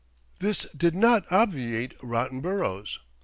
This did not obviate rotten boroughs.